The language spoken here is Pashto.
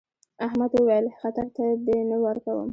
احمد وويل: خطر ته دې نه ورکوم.